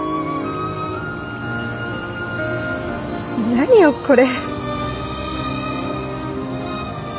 何よこれ。